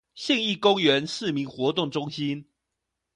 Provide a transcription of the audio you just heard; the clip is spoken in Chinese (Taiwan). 信義公園市民活動中心